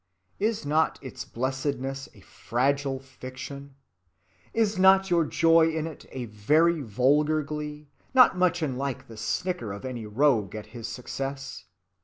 Is not its blessedness a fragile fiction? Is not your joy in it a very vulgar glee, not much unlike the snicker of any rogue at his success?